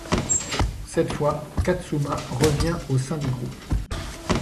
Cette fois, Katsuma revient au sein du groupe.